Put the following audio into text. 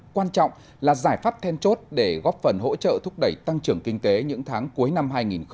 quan trọng là giải pháp then chốt để góp phần hỗ trợ thúc đẩy tăng trưởng kinh tế những tháng cuối năm hai nghìn hai mươi